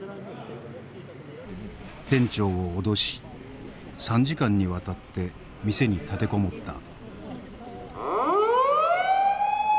店長を脅し３時間にわたって店に立てこもった。